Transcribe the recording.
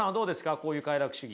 こういう快楽主義。